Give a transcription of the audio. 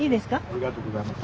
ありがとうございます。